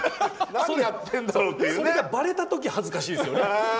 それがばれた時恥ずかしいですよね。